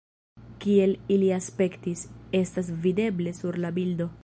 Kiel ili aspektis, estas videble sur la bildo.